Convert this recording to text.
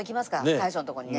大将のとこにね。